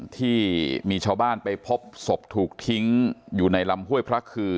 ที่มีชาวบ้านไปพบศพถูกทิ้งอยู่ในลำห้วยพระคือ